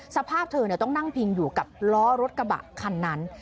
สภาพเธอต้องนั่งพิงอยู่กับล้อรถกระบะคันนั้น